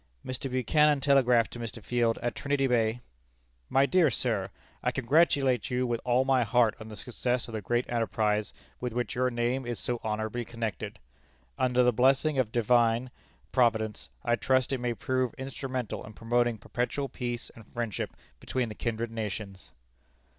Mr. Buchanan telegraphed to Mr. Field, at Trinity Bay: "My Dear Sir: I congratulate you with all my heart on the success of the great enterprise with which your name is so honorably connected. Under the blessing of Divine Providence I trust it may prove instrumental in promoting perpetual peace and friendship between the kindred nations."